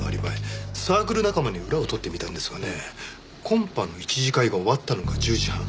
サークル仲間に裏を取ってみたんですがねコンパの一次会が終わったのが１０時半。